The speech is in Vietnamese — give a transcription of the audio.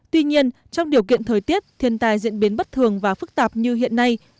tuy nhiên trong điều kiện thời tiết thiên tài diễn biến bất thường và phức tạp như hiện nay